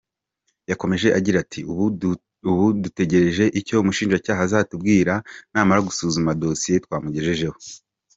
Yakomeje agira ati, “Ubu dutugereje icyo umushinjacyaha azatubwira namara gusuzuma dossier twamugejejeho.